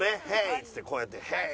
っつってこうやって「ＨＥＹ！」。